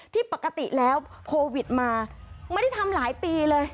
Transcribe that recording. ที่ปกติแล้วโควิดมาไม่ได้ทำหลายปีเลย